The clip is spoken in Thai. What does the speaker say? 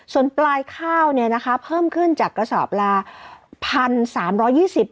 ส่วนปลายข้าวเนี้ยนะคะเพิ่มขึ้นจากกระสอบลาพันสามร้อยยี่สิบ